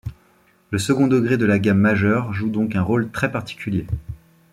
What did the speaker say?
Le second degré de la gamme majeure joue donc un rôle très particulier.